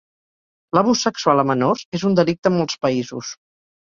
L'abús sexual a menors és un delicte en molts països.